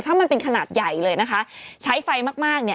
ถ้ามันเป็นขนาดใหญ่เลยนะคะใช้ไฟมากมากเนี่ย